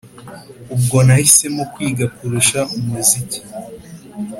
Ubwo nahisemo kwiga kurusha umuziki